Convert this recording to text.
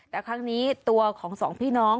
แต่ครั้งนี้ตัวของสองพี่น้อง